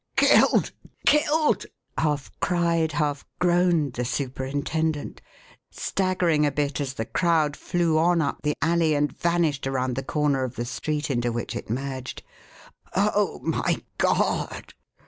"Killed! Killed!" half cried, half groaned the superintendent, staggering a bit as the crowd flew on up the alley and vanished around the corner of the street into which it merged. "Oh, my God!